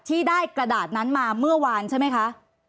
ที่ได้กระดาษนั้นมาเมื่อวานใช่ไหมคะ